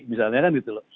misalnya kan gitu loh